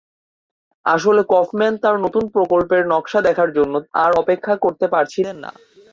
আসলে কফম্যান তার নতুন প্রকল্পের নকশা দেখার জন্য আর অপেক্ষা করতে পারছিলেন না।